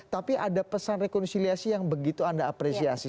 tapi ada pesan rekonsiliasi yang begitu anda apresiasi